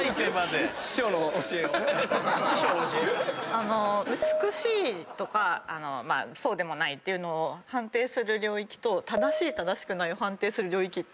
あの美しいとかそうでもないっていうのを判定する領域と正しい正しくないを判定する領域って。